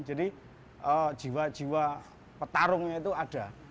jadi jiwa jiwa petarungnya itu ada